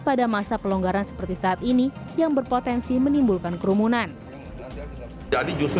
pada masa pelonggaran seperti saat ini yang berpotensi menimbulkan kerumunan jadi justru